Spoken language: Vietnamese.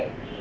có đắt hơn